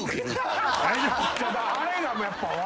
あれがもうやっぱ。